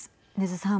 禰津さん。